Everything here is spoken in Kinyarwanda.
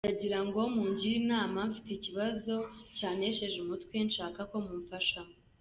Ndagirango mungire inama mfite ikibazo cyantesheje umutwe nshaka ko mumfashamo .